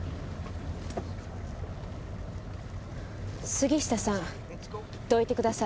杉下さんどいてください。